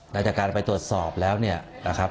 หลังจากการไปตรวจสอบแล้วเนี่ยนะครับ